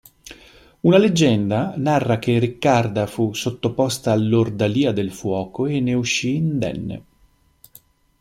Una leggenda narra che Riccarda fu sottoposta all'ordalia del fuoco e ne uscì indenne.